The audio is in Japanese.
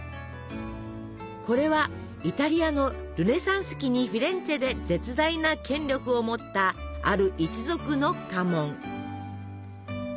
これはイタリアのルネサンス期にフィレンツェで絶大な権力を持ったある一族の家紋。